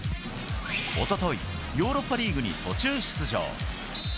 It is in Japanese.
おととい、ヨーロッパリーグに途中出場。